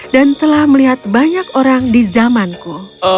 dan telah melihat banyak orang di zamanku